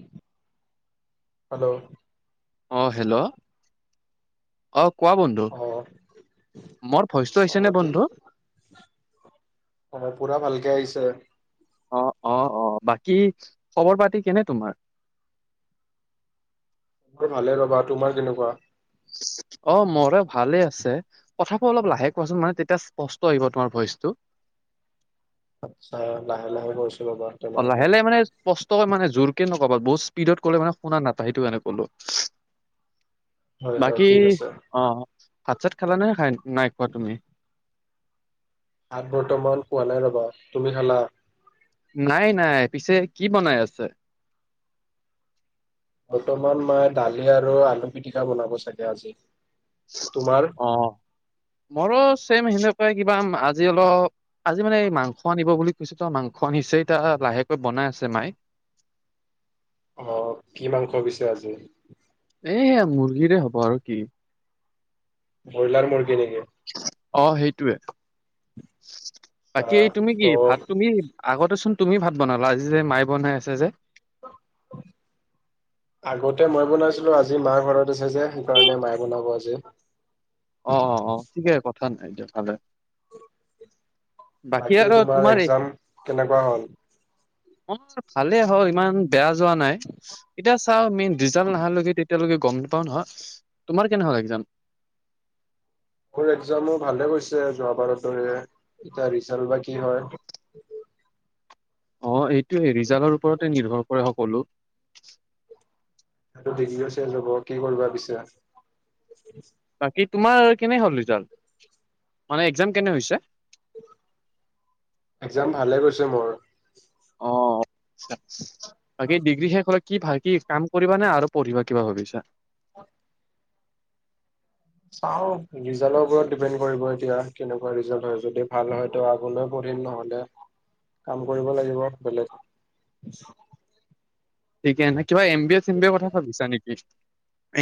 [inaudible] Hello? অ' hello! অ' কোৱা বন্ধু? অ মোৰ ভইচটো হৈছে অ নে কি বন্ধু? অ' পূৰা ভালকে আহিছে। অ' অ' অ'! বাকী, খবৰ-পাতি কেনে তোমাৰ? মোৰ ভালে ৰ'বা, তোমাৰ কেনেকুৱা? অ'! মোৰো ভালে আছে। কথাবোৰ অলপ লাহে, কোৱাচোন। মানে, তেতিয়া স্পষ্ট আহিব, তোমাৰ ভইচটো। আচ্ছা, লাহে-লাহে কৈছোঁ ৰ'বা। অ'! তেনেহলে লাহে-লাহে মানে, স্পষ্টকে মানে, জোৰকে নক'বা, বহুত স্পীডত ক'লে, শুনা নাপায়। এইটো এনে ক'লোঁ। হয় হয় বাকী, ঠিক আছে অ'! ভাত-চাত খালানে, খাই, নাইখোৱা তুমি? ভাত বৰ্তমান পোৱা নাই ৰ'বা। তুমি খালা? নাই-নাই, পিছে কি বনাই আছে? বৰ্তমান মই, দালি আৰু আলু পিটিকা বনাব চাগে, আজি। তোমাৰ অ'! মোৰো ছেম সেনেকুৱাই কিবা, আজি অলপ আজি মানে, মাংস আনিব বুলি কৈছেতো, মাংস আনিছে, এতিয়া লাহেকৈ বনাই আছে, মায়ে। অ'! কি মাংস পিছে আজি? এই, মুৰ্গীৰে হ'ব আৰু কি? ব্ৰইলাৰ মুৰ্গী নেকি? অ'! সেইটোৱে। বাকী আহ এই, তুমি কি, ভাত ত' তুমিয়ে আগতেচোন তুমি ভাত বনালা! আজি যে, মায়ে বনাই আছে যে? [inaudible] আগতে মই বনাইছিলোঁ, আজি মাৰ ঘৰত আছে যে সেইকাৰণে মায়ে বনাব আজি। অ অ অ ঠিকে কথা নাই দিয়ক ভালে। বাকী তোমাৰ একজাম কেনেকুৱা হ'ল? [inaudible] ভালে হ'ল ইমান বেয়া হোৱা নাই। এতিয়া চাও আমি ৰিজাল্ট নহালৈকে তেতিয়ালৈকে গম নাপাও নহয়। তোমাৰ কেনেহল একজাম? মোৰ একজামো ভালে গৈছে যোৱাবাৰৰ দৰে এতিয়া ৰিজাল্ট বা কি হয়। অ এইটোৱেই ৰিজাল্টৰ ওপৰতে নিৰ্ভৰ কৰে সকলো। এইটো ডিগ্ৰীও চেঞ্জ হ'ব কি কৰিবা পিছে? বাকী তোমাৰ কেনে হ'ল ৰিজাল্ট মানে একজাম কেনে হৈছে? একজাম ভালে গৈছে মোৰ। অহ, বাকী দিগ্ৰী [inaudible] কি ভাই কি কাম কৰিবানে আৰু পঢ়িবা কিবা ভাবিছা? চাও ৰিজাল্টৰ ওপৰত ডিপেণ্ড কৰিব এতিয়া কেনেকুৱা ৰিজাল্ট হয় যদি ভাল হয় ত আগলৈ পৰিম নহলে, কাম কৰিব লাগিব বেলেগ। ঠিকে নে, কিবা এম বি এ চেম বি এৰ কথা ভাবিছা নেকি?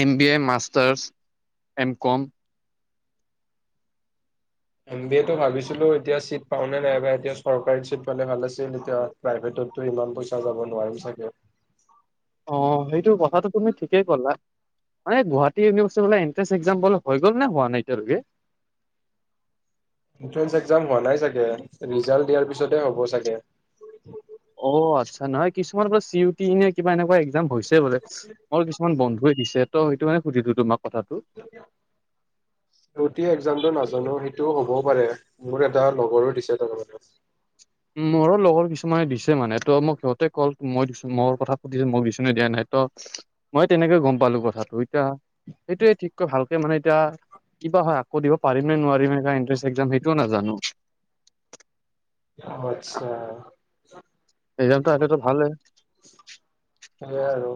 M B A masters M com. M B A তটো ভাবিছিলো এতিয়া চিট পাও নে নাইবা এতিয়া চৰকাৰী চিট পালে ভাল আছিল এতিয়া প্ৰাইভেটতো ইমান পইচা যাব নোৱাৰিম চাগে। অ সেইটো কথাটো তুমি ঠিকেই কলা। মানে গুৱাহাটী ইউনিভাৰ্চিটি ফালে এন্ত্ৰেষ্ট এক্সাম বোৰ হৈ গল নে হোৱা নাই এতিয়া লৈকে? এনট্ৰেন্ঞ্চ একজাম হোৱা নাই চাগে, ৰিজাল্ট দিয়াৰ পিছতে হ'ব চাগে। অ আচ্ছা নহয় কিছুমানৰ পৰা চি ইউটি এ কিবা এনেকুৱা একজাম হৈছে। বোলে, মোৰ কিছুমান বন্ধুয়ে দিছে ত সেইটো মানে সুধিলো তোমাক কথাটো। [unintelligible] প্ৰতি একজামটো নাজানো সেইটো হ'বও পাৰে, মোৰ এটা লগৰো দিছে তাৰ মানে। মোৰো লগৰ কিছুমানে দিছে মানে ত মোক সিহঁতে কল মই দিছো মোৰ কথা সুধিছো মই দিয়া নাই ত মই তেনেকে গম পালো কথাটো এতিয়া সেইটোয়ে ঠিককৈ ভালকে মানে এতিয়া কিবা হয় আকৌ দিব পিম নে নোৱাৰিমে এণ্ট্ৰেস এক্জাম সেইটোও নাজানো। অ আচ্ছা। ৰিজাল্ট [inaudible] এয়াই আৰু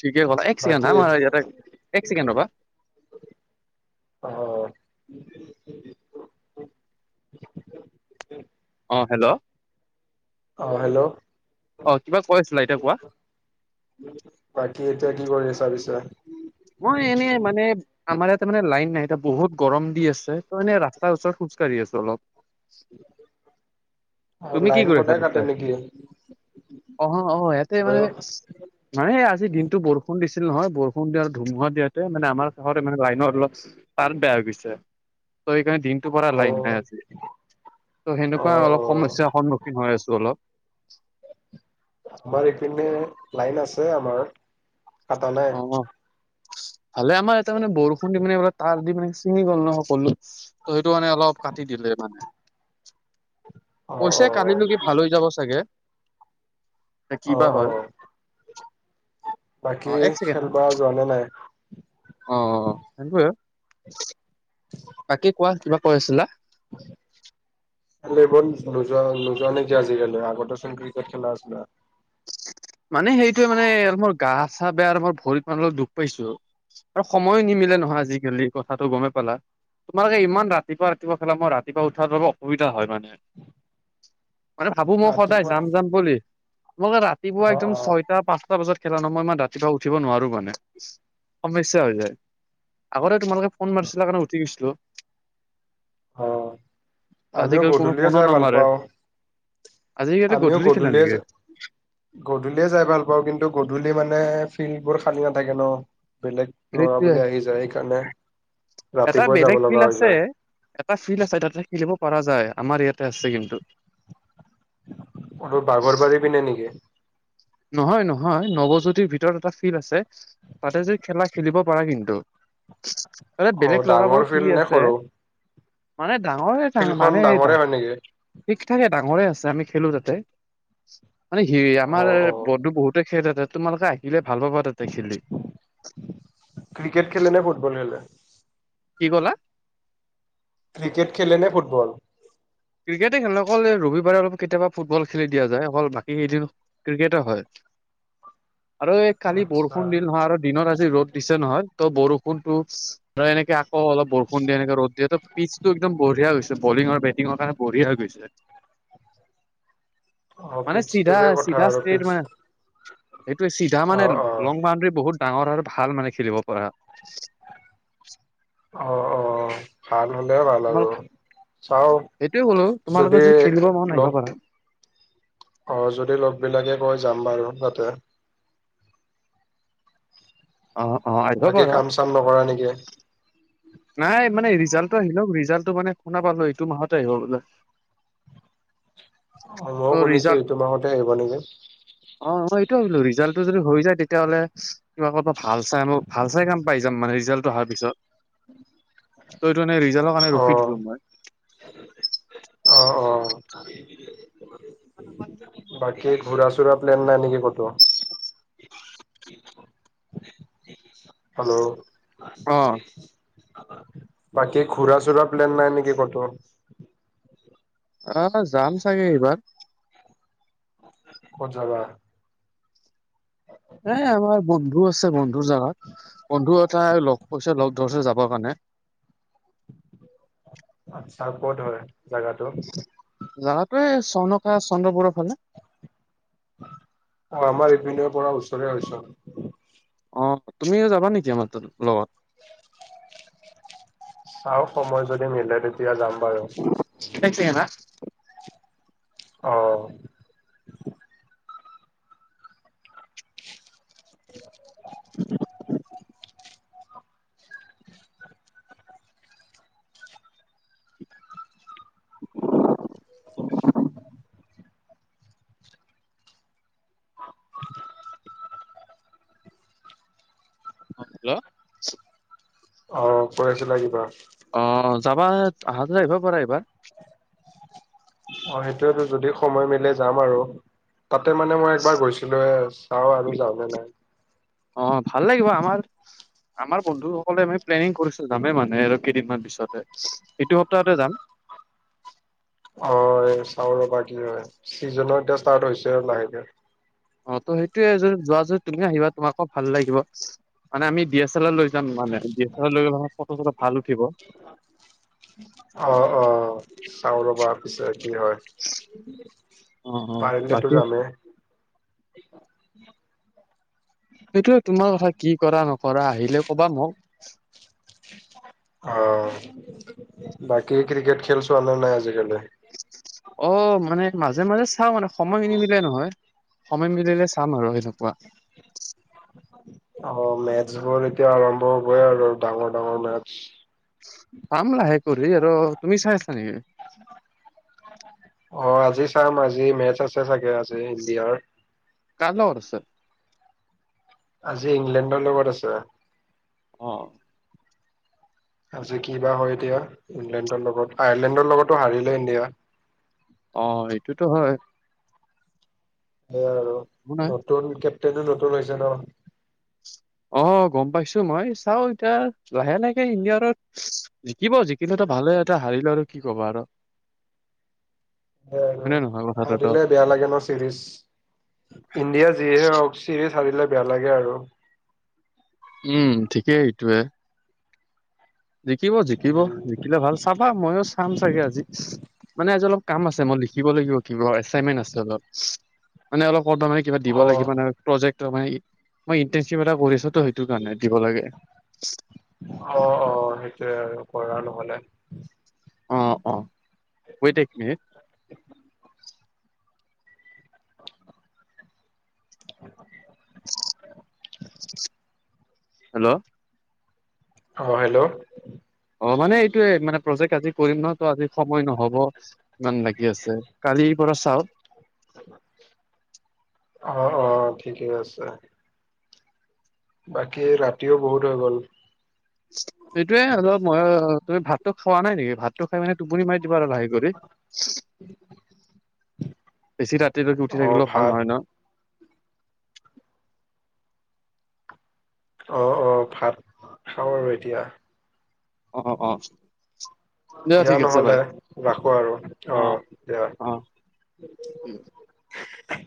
ঠিকে ক'লা, এক ছেকেণ্ড বাকী হা আমাৰ এত- ইয়াতে এক ছেকেণ্ড ৰবা। অ অ হেল্ল অ হেল্ল অ কিবা কৈ আছিলা এতিয়া কোৱা বাকী এতিয়া কি কৰি আছা পিছে? মই এনে মানে আমাৰ ইয়াতে মানে লাইন নাই এয়া বহুত গৰম দি আছে ত এনে ৰাস্ত ওচৰত খোজকাঢ়ি আছো অলপ। [unintelligible] অ তুমি কি লাইন কৰি আছাঁ সদায় কাটে পিছে? নেকি অ অহ ইয়াতে হয় মানে অ মানে আজি দিনটো বৰষুণ দিছিল নহয় বৰষুণ দিয়াৰ ধুমুহা দিয়াতে মানে আমাৰ চহৰ মানে লাইনৰ অলপ তাৰ বেয়া হৈ গৈছে। ত এইকাৰণে দিনটোৰ পৰা লাইন নাই অ আজি। ত অ সেনেকুৱা অলপ সমস্যাৰ সন্মুখীন হৈ আছো অলপ। আমাৰ ইপিনে লাইন আছে আমাৰ, কাটা নাই। উম, ভালে আমাৰ এটে মানে বৰষুণ দি মানে তাঁৰ দি মানে ছিঙি গ'ল ন' সকলো। তো সেইটো মানে অলপ কাটি দিলে মানে। অ কৈছে অ কালিলৈকে ভাল হৈ যাব চাগে। এ' কি অ বা অ হয়। বাকী অ এক খেলবা যোৱা নে নাই? অহ, সেইটোৱে। বাকী কোৱা, কিবা কৈ আছিলা। [unintelligible] খেলিবন নোযোৱা হ'ল, নোযোৱা নেকি আজিকালি? আগতেচোন ক্ৰিকেট খেলা আছিলা। মানে সেইটোৱে মানে, আৰু মোৰ গা-চা বেয়া আৰু মোৰ ভৰিত অলপ মানে দুপ পাইছোঁ। আৰু সময় নিমিলে নহয় আজিকালি। কথাটো গমে পালা। তোমাৰ এই ইমান ৰাতিপুৱা ৰাতিপুৱা খেলা, মই ৰাতিপুৱা উঠাত অলপ অসুবিধা হয় মানে। [unintelligible] মানে ভাবোঁ মই সদায় ৰাতিপুৱা যাম যাম বুলি। মোক ৰাতিপুৱা অ একদম ছয়- টা পাঁচটা বজাত খেলা ন'। মই ইমান ৰাতিপুৱা উঠিব নোৱাৰোঁ মানে। সমস্যা হৈ যায়। আগতে তোমালোকে ফোন মাৰিছিলা কাৰণে উঠি গিছিলোঁ। অহ, আমিও আজিকালি কোনো গধূলিয়ে ফোনো যাই ভাল নামাৰে পাওঁ। আজিকালি আমিও গধূলি খেলা গধূলিয়ে নেকি যে- গধূলিয়ে যাই ভাল পাওঁ, কিন্তু গধূলি মানে ফিল্ডবোৰ খালি নাথাকে ন। বেলেগ- ল'ৰা সেইটোয়ে বোলে আহি যায় সেইকাৰণে এটা ৰাতিপুৱাই বেলেগ যাব ফিল্ড লগা হৈ আছে যায়। এটা ফিল্ড আছে তাতে খেলিব পাৰা যায়। আমাৰ ইয়াতে আছে কিন্তু। অতু বাগৰবাৰি পিনে নেকি? নহয় নহয়, নৱজ্যোতিৰ ভিতৰত এটা ফিল্ড আছে, তাতে যে খেলা খেলিব পাৰা কিন্তু। তাত অ বেলেগ ডাঙৰ ল'ৰাবোৰো ফিল্ড খেলি নে আছে। সৰু মানে ডাঙৰে তাহ, ফিল্ডখন মানে ডাঙৰে হয় নেকি ডা- ঠিক ঠাকে ডাঙৰে আছে আমি খেলোঁ তাতে। মানে হি অ অ আমাৰ- [unintelligible] [unintelligible] [unintelligible] তোমালোকে আহিলে ভাল পাবা তাতে খেলি। ক্ৰিকেট খেলে নে ফুটবল খেলে? কি ক'লা? ক্ৰিকেট খেলে নে ফুটবল? ক্ৰিকেটে খেলোঁ অকল। এই ৰবিবাৰে অলপ কেতিয়াবা ফুটবল খেলি দিয়া যায়, অকল বাকী কৈদিন - ক্ৰিকেটো হয়। আৰু এই কালি আচ্ছা বৰষুণ দিল নহয় আৰু দিনত আজি ৰ'দ- দিছে নহয়। তো' বৰষুণতো - ত', এনেকে আকৌ অলপ বৰষুণ দিয়ে, এনেকে ৰ'দ দিয়ে। ত পিছটো একদম বঢ়ীয়া হৈছে। বলিং আৰুে বেট- টিংৰ কাৰণে বঢ়ীয়া হৈ গৈছে। অ মানে চিধা, পিচটোৰে কথা চিধা আৰু ষ্টেট পিচ মানে। সেইটোৱে চিধা মানে, অ অ লং বাউণ্ডৰী বহুত ডাঙৰ আৰু ভাল মানে খেলিব পাৰা। অহ অহ। ভাল হ'লে ভাল তোমালোক হ'ব। চাওঁ সেইটোয়ে ক'লো তোমালোকে যদি খেলিব মন আহিব লগ- পাৰা অহ, যদি লগবিলাকে কয় যাম বাৰু, তাতে। অহ অহ, আহিবা বাকী পাৰোঁ। কাম নকৰা নেকি? নাই মানে, ৰিজাল্টটো আহিলক। ৰিজাল্টটো মানে শুনা পালোঁ এইটো মাহতে আহিব বলে। অহ, মইয়ো ত' শুনিছোঁ এইটো মাহতে আহিবা নেকি। অহ, মই এইটো ভাবিলোঁ। ৰিজাল্টটো যদি হৈ যায়, তিতিয়াহ'লে- কিবা ক'ৰবাত ভাল চাই ম' ভাল চাই কাম মানে, ৰিজাল্টটো অহাৰ পিছত। তইটো এনে ৰিজাল্টৰ কাৰণে ৰখি অ', দিলোঁ মই। অ', অ', বাকী ঘূৰা-চুৰা প্লেন নাই নেকি ক'তো? হেল্ল'। অ বাকি ঘূৰা-চুৰা প্লেন নাই নেকি ক'তো? আহ' যাম চাগে এইবাৰ। ক'ত যাবা? এ আমাৰ বন্ধু আছে বন্ধুৰ জাগাত। বন্ধু এটাই লগ কৈছে লগ ধৰিছে যাবৰ কাৰণে। আচ্ছা' ক'ত হয় জাগাটো? জাগাটো এ চনকা চন্দ্ৰপুৰৰ ফালে। অ', আমাৰ ইপিনৰ পৰা ওচৰে হয় চোন। অ', তুমিও যাবা নেকি আমাৰ তাত লগত? চাওঁ, সময় যদি মিলে তেতিয়া যাম বাৰু। [unintelligible] অঁ'। অঁ', হেল্ল'। অ', কৈ আছিলা কিবা? অ', যাবা, অহা যদি আহিব পাৰা এইবাৰ। অঁ' সেইটোৱেতো, যদি সময় মিলে যাম আৰু। তাতে মানে মই একবাৰ গৈছিলোঁয়ে। চাওঁ আৰু যাওঁ নে নাই। অঁ' ভাল লাগিব, আমাৰ- আমাৰ বন্ধুসকলে মানে প্লেনিং কৰিছিল, যামেই মানে আৰু কেইদিনমান পিছতে। এইটো সপ্তাহতে যাম। অঁ' এ চাওঁ ৰ'বা কি হয়। চিজনও এতিয়া ষ্টাৰ্ট হৈছে আৰু লাহেকে। অঁ' তো সেইটোয়ে যদি যোৱা যদি তুমিও আহিবা, তোমাকো ভাল লাগিব। মানে আমি ডি এছ এল আৰ লৈ যাম মানে ডি এছ এল আৰ লৈ গ'লে মানে ফটো-চটো ভাল উঠিব। অঁ' অঁ' চাওঁ ৰ'বা পিছে কি হয়। অ অ পাৰিলেতো বাকী যামেই। সেইটোয়ে, তোমাৰ কথা কি কৰা নকৰা আহিলে কবা মোক। অঁ' বাকি ক্ৰিকেট খেল চোৱা নে নাই আজিকালি? অঁ' মানে মাজে-মাজে চাওঁ মানে সময় নিমিলে নহয়। সময় মিলিলে চাম আৰু এনেকুৱা। অঁ' মেটচ বোৰ এতিয়া আৰম্ভ হ'বই আৰু ডাঙৰ-ডাঙৰ মেটচ। চাম লাহে কৰি আৰু তুমি চাই আছা নেকি? অঁ' আজি চাম আজি মেচ আছে চাগে আজি ইণ্ডিয়াৰ। কাৰ লগত আছে? আজি ইংলেণ্ডৰ লগত আছে। অঁ। আজি কি বা হয় এতিয়া ইংলেণ্ডৰ লগত, আয়াৰলেণ্ডৰ লগতো হাৰিলে ইণ্ডিয়া। অঁ' সেইটোতো হয়। সেইয়াই আৰু নাই নতুন কেপ্টেইনো নতুন হৈছে ন'। অঁ' গম পাইছো মই, চাওঁ এতিয়া লাহে- লাহেকে ইণ্ডিয়াৰত জিকিব, জিকিলে তো ভালেই, এতিয়া হাৰিলে আৰু কি ক'বা আৰু। অঁ', হয়নে অঁ', নহয় কথাটোতো হাৰিলে বেয়া লাগে ন চিৰিজ, ইণ্ডিয়া যিয়ে হওঁক চিৰিজ হাৰিলে বেয়া লাগে আৰু। উমঁ' ঠিকেই এইটোৱে। জিকিব, জিকিব, উম। জিকিলে ভাল, চাবা ময়ো চাম চাগে আজি। মানে আজি অলপ কাম আছে, মই লিখিব লাগিব। কিবা এচাইনমেন্ট আছে অলপ। মানে অলপ ক'ত বা মানে কিবা দিব অ', লাগিব মানে। প্ৰজেক্টৰ মানে ই, মানে ইন্টাৰ্ণশ্বিপ এটা কৰি আছো ত' সেইটো কাৰণে দিব লাগে। অ অ সেইটোয়ে আৰু কৰা নহলে। অ অ ৱেট এক মিনিট। [inaudible] হেল্ল'। অঁ হেল্ল'। অ মানে এইটোয়ে, মানে প্ৰজেক্ট আজি কৰিম নহয় ত আজি সময় নহব। ইমান বাকি আছে, কালিৰ পৰা চাও। অ অ ঠিকেই আছে। বাকী ৰাতিও বহুত হৈ গ'ল। সেইটোৱেই আৰু মই, তুমি ভাতটো খোৱা নাই নেকি? ভাতটো খাই মানে টোপনি মাৰি দিবা আৰু লাহে কৰি। বেছি ৰাতিলৈকে উঠি অ', থাকিলেও ভাল ভাত নহয় ন। অ অ ভাত, খাওঁ আৰু এতিয়া। অ অ। দিয়া ঠিক আছে নহ'লে বাই ৰাখো আৰু অ অ'। দিয়া। [unintelligible]